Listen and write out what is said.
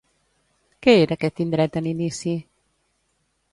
Què era aquest indret en inici?